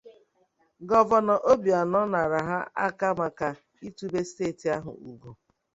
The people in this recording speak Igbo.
Gọvanọ Obianọ nàrà ha aka maka itube steeti ahụ ùgò